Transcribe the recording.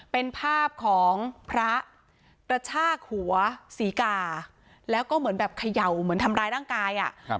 เป็นภาพของพระกระชากหัวศรีกาแล้วก็เหมือนแบบเขย่าเหมือนทำร้ายร่างกายอ่ะ